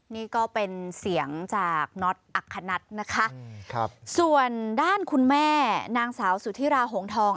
นี่ก็เป็นเสียงจากน็อตอัคคณัฐนะคะส่วนด้านคุณแม่นางสาวสุธิราหงทอง